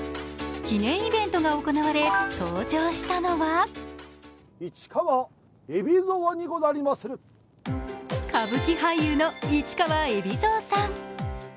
記念イベントが行われ、登場したのは歌舞伎俳優の市川海老蔵さん。